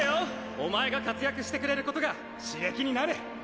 お前が活躍してくれることが刺激になる！